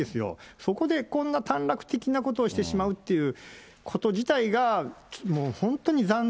そこでこんな短絡的なことをしてしまうっていうこと自体が、もう本当に残念。